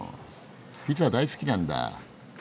ピザ大好きなんだ。